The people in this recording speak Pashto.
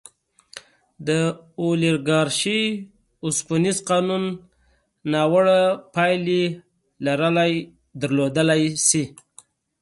د اولیګارشۍ اوسپنیز قانون ناوړه پایلې لرلی شي.